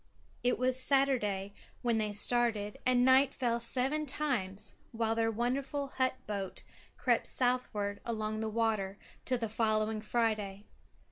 It was Saturday when they started; and night fell seven times while their wonderful hut boat crept southward along the water, till the following Friday.